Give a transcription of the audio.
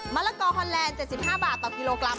ละกอฮอนแลนด์๗๕บาทต่อกิโลกรัม